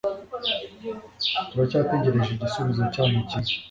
Turacyategereje igisubizo cyanyu cyiza.